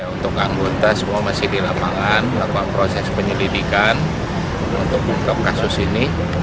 untuk anggota semua masih di lapangan melakukan proses penyelidikan untuk mengungkap kasus ini